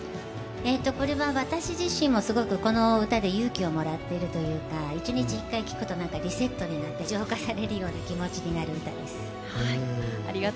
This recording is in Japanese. これは私自身もすごくこの歌で勇気をもらっているというか１日１回、聴くとリセットになって浄化されるような気持ちになる歌です。